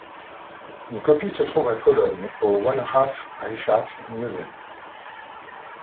Une copie se trouve à Cologne au Wallraf-Richartz-Museum.